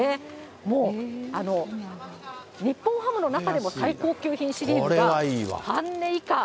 もう、日本ハムの中でも最高級品シリーズが、半値以下。